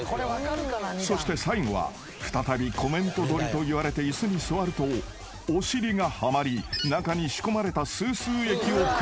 ［そして最後は再びコメント撮りと言われてイスに座るとお尻がはまり中に仕込まれたスースー液を食らうというフィニッシュ］